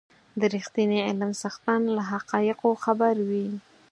د رښتيني علم څښتن له حقایقو خبر وي.